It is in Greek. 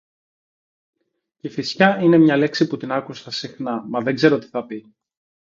Κηφισιά είναι μια λέξη που την άκουσα συχνά, μα δεν ξέρω τι θα πει.